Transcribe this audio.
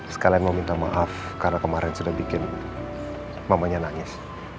sekalian mau minta maaf karena kemarin sudah bikin mamanya nangis